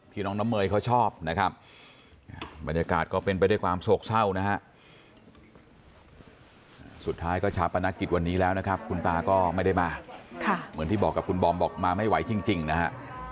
น้องน้ำเมยเขาชอบนะครับบรรยากาศก็เป็นไปด้วยความโศกเศร้านะฮะสุดท้ายก็ชาปนกิจวันนี้แล้วนะครับคุณตาก็ไม่ได้มาเหมือนที่บอกกับคุณบอมบอกมาไม่ไหวจริงนะฮะ